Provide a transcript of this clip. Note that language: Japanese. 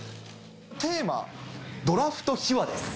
テーマ、ドラフト秘話です。